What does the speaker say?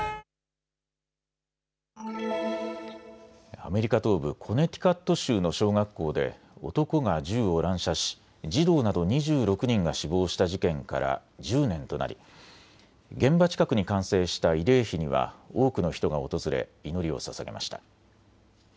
アメリカ東部コネティカット州の小学校で男が銃を乱射し児童など２６人が死亡した事件から１０年となり現場近くに完成した慰霊碑には多くの人が訪れ祈りをささげました。